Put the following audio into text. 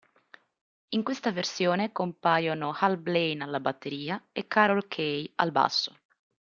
In questa versione compaiono Hal Blaine alla batteria e Carol Kaye al basso.